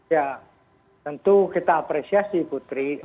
ya tentu kita apresiasi putri